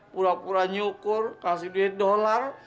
pura pura nyukur kasih duit dolar